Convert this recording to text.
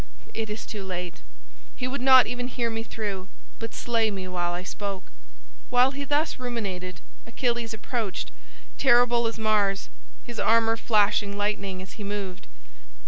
it is too late. He would not even hear me through, but slay me while I spoke." While he thus ruminated. Achilles approached, terrible as Mars, his armor flashing lightning as he moved.